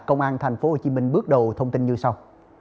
công an tp hcm bước đầu thông tin như sau